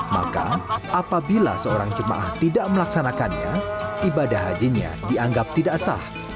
maka apabila seorang jemaah tidak melaksanakannya ibadah hajinya dianggap tidak sah